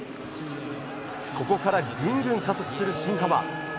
ここから、ぐんぐん加速する新濱。